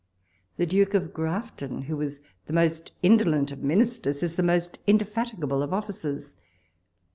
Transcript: Th« Duke of Grafton, who was the most indolent of ministers, is the most inde fatigable of ofiicers.